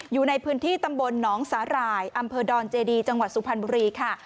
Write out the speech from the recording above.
อยู่ในพื้นที่ตำบลหนองสาหร่ายอำเภอดอนเจดีจังหวัดสุพรรณบุรีค่ะ